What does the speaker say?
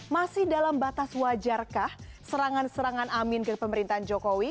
masih dalam batas wajarkah serangan serangan amin ke pemerintahan jokowi